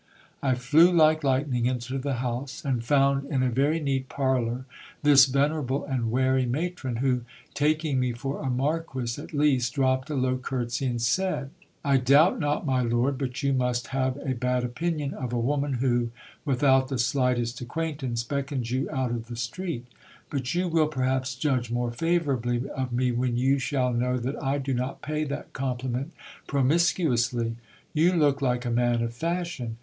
I flew like lightning into the house, and found, in a very neat parlour, this venerable and wary matron, who, taking me for a marquis at least, dropped a low curtsey, and said — I doubt not, my lord, but you must have a bad opinion of a woman who, without the slightest acquaintance, beckons you out of the street ; but you will perhaps judge more favourably of me when you shall know that I do not pay that compliment promiscuously. You look like a man of fashion